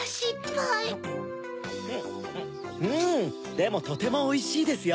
でもとてもおいしいですよ。